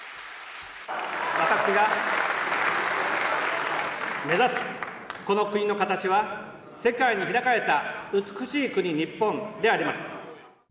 私が目指すこの国の形は、世界に開かれた美しい国日本であります。